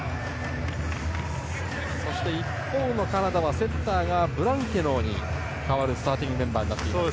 そして、一方のカナダはセッターがブランケノーに代わるスターティングメンバーになっています。